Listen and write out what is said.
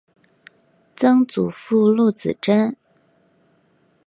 曾祖父陆子真。